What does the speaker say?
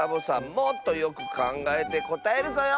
もっとよくかんがえてこたえるぞよ。